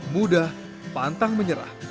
mudah pantang menyerah